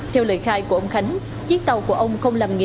theo lời khai của ông khánh chiếc tàu của ông không làm nghề